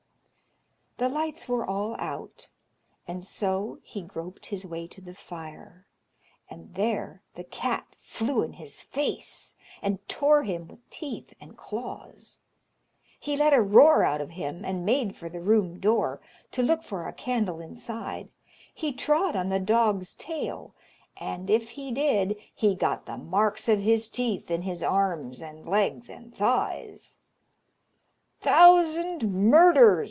The lights were all out, and so he groped his way to the fire, and there the cat flew in his face, and tore him with teeth and claws. He let a roar out of him, and made for the room door, to look for a candle inside. He trod on the dog's tail, and if he did, he got the marks of his teeth in his arms, and legs, and thighs. "Thousand murders!"